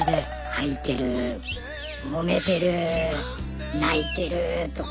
吐いてるもめてる泣いてるとか。